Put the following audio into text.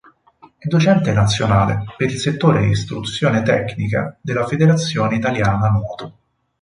È docente nazionale per il Settore Istruzione Tecnica della Federazione Italiana Nuoto.